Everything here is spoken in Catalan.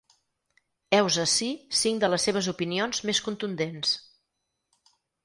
Heus ací cinc de les seves opinions més contundents.